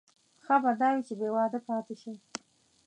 ښه به دا وي چې بې واده پاتې شي.